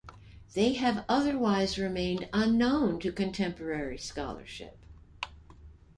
They have otherwise remained unknown to contemporary scholarship.